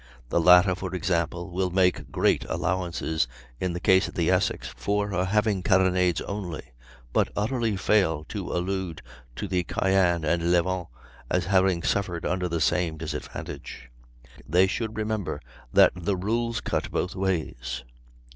The latter, for example, will make great allowances in the case of the Essex for her having carronades only, but utterly fail to allude to the Cyane and Levant as having suffered under the same disadvantage. They should remember that the rules cut both ways.